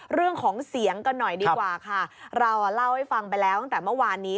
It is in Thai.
เรื่องของเสียงกันหน่อยดีกว่าค่ะเราเล่าให้ฟังไปแล้วตั้งแต่เมื่อวานนี้